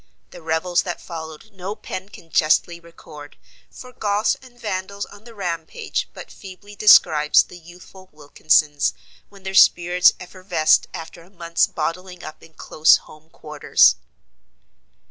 The revels that followed no pen can justly record, for Goths and Vandals on the rampage but feebly describes the youthful Wilkinses when their spirits effervesced after a month's bottling up in close home quarters.